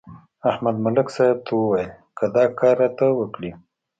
احمد ملک صاحب ته ویل: که دا کار راته وکړې.